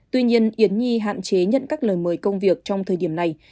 tuy nhiên yến nhi hạn chế nhận các lời mời công việc trong thời điểm này